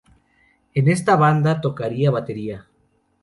En esta banda tocaría batería.